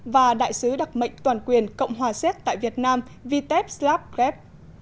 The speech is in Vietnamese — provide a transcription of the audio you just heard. và đại sứ đặc mệnh toàn quyền cộng hòa xét tại việt nam viteb slapgreb